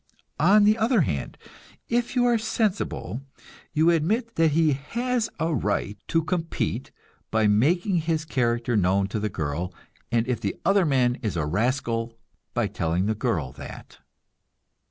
On the other hand, if you are sensible, you admit that he has a right to compete by making his character known to the girl, and if the other man is a rascal, by telling the girl that.